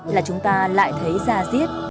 là chúng ta lại thấy ra riết